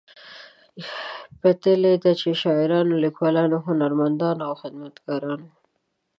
پتیلې ده چې د شاعرانو، لیکوالو، هنرمندانو او خدمتګارانو